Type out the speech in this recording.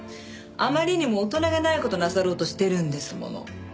あまりにも大人げない事なさろうとしてるんですもの。